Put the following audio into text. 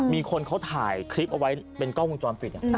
มีคนเขาถ่ายคลิปเอาไว้เป็นกล้องวงจรปิด